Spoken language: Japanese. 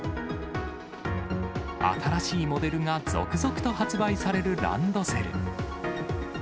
新しいモデルが続々と発売されるランドセル。